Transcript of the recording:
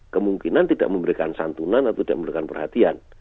kemungkinan tidak memberikan santunan atau tidak memberikan perhatian